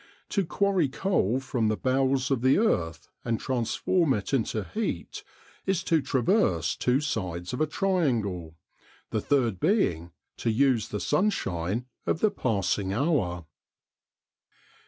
To quarry coal from the bowels of the earth and transform it into heat, is to traverse two sides of a triangle, the third being to use the sunshine of the passing hour.